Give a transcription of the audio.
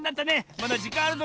まだじかんあるぞ。